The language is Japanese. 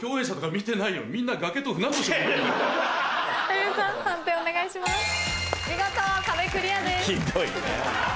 見事壁クリアです。